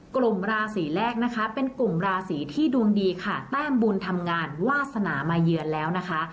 กลุ่มราศีแรกนะคะเป็นกลุ่มราศีที่ดวงดีค่ะแต้มบุญทำงานวาสนามาเยือนแล้วนะคะ